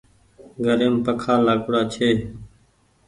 گھريم پکآ لآگوڙآ ڇي۔